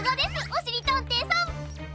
おしりたんていさん！